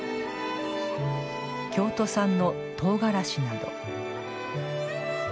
京都産のとうがらしなど。